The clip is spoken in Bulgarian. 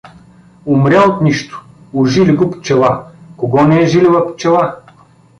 Умря от нищо: ужили го пчела — кого не е жилила пчела?